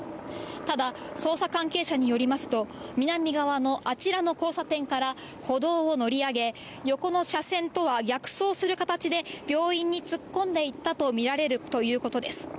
ただ捜査関係者によりますと、南側のあちらの交差点から、歩道を乗り上げ、横の車線とは逆走する形で、病院に突っ込んでいったと見られるということです。